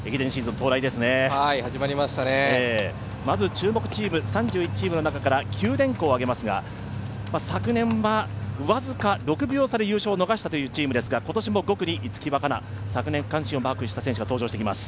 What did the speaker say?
まず注目チームから九電工を挙げますが、昨年は僅か６秒差で優勝を逃したというチームですが５区に逸木和香菜、昨年、区間新をマークした選手が登場してきます。